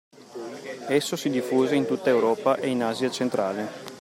Esso si diffuse in tutta Europa e in Asia Centrale.